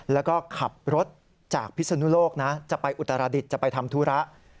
แล้วก็ขับรถจากพิศนุโลกนะจะไปอุตรดิษฐ์จะไปทำธุระ